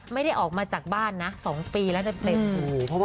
ไม่ได้ออกมาจากบ้านนะ๒ปีแล้วในเต็ม